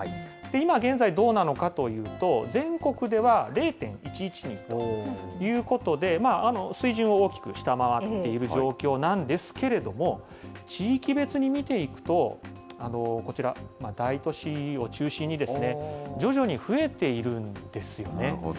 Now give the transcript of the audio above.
今現在どうなのかというと、全国では０．１１人ということで、水準を大きく下回っている状況なんですけれども、地域別に見ていくと、こちら、大都市を中心に、徐々に増えているんですよね。